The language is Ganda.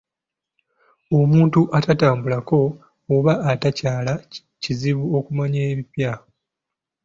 Omuntu atatambulako oba atakyala kizibu okumanya ebipya.